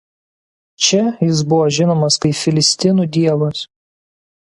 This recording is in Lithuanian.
Čia jis buvo žinomas kaip filistinų dievas.